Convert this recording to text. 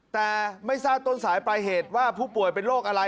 แต่ไม่ทราบต้นสายปลายเหตุว่าผู้ป่วยเป็นโรคอะไร